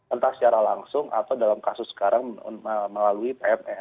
entah secara langsung atau dalam kasus sekarang melalui pmn